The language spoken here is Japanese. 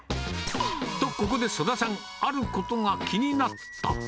と、ここで曽田さん、あることが気になった。